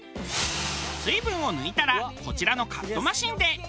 水分を抜いたらこちらのカットマシンで。